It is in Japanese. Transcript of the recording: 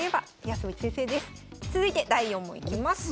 続いて第４問いきます。